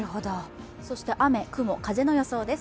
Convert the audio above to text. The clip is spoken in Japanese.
そして、雨、雲、風の予想です。